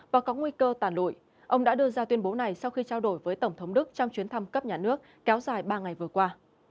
và có nguy cơ tản lụi ông đã đưa ra tuyên bố này sau khi trao đổi với tổng thống đức trong chuyến thăm cấp nhà nước kéo dài ba ngày vừa qua